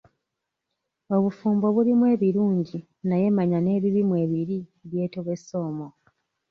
Obufumbo bulimu ebirungi naye manya n'ebibi mwebiri, byetobese omwo.